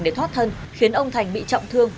để thoát thân khiến ông thành bị trọng thương